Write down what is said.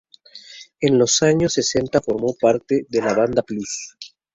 En los años setenta formó parte de la banda Plus.